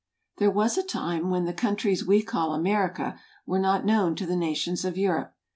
There was a time when the countries we call America were not known to the nations of Eu¬ rope.